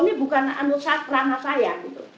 ini bukan anusah prana saya